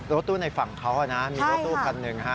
รถตู้ในฝั่งเขานะมีรถตู้คันหนึ่ง